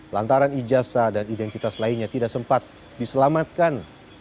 lantaran ijasa dan identitas lainnya tidak sempat diselamatkan